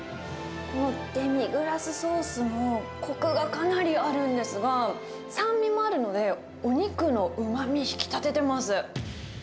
このデミグラスソースも、こくがかなりあるんですが、酸味もあるので、お肉のうまみ、引き立ててます。